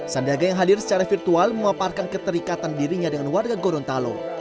sandiaga yang hadir secara virtual memaparkan keterikatan dirinya dengan warga gorontalo